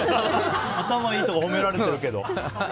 頭いいとか褒められてるけどね。